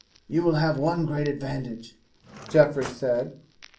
"You will have one great advantage," Geoffrey said.